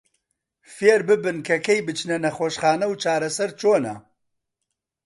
فێرببن کە کەی بچنە نەخۆشخانە و چارەسەر چۆنە.